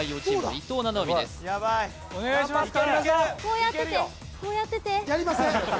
こうやっててこうやっててやりません